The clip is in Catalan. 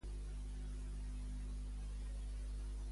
Per què Annigan cada cop era més prim?